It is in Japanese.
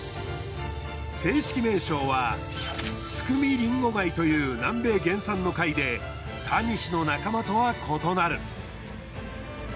正式名称はスクミリンゴガイという南米原産の貝でタニシの仲間とは異なる。